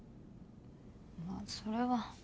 まあそれは。